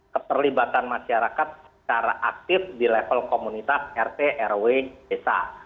keterlibatan masyarakat secara aktif di level komunitas rt rw desa